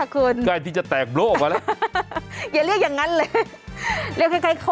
คุณใหญ่ขึ้นเรื่อยแล้วนะ